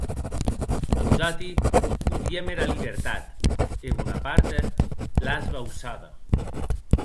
Nosati volíem era libertat e Bonaparte l’a esbauçada.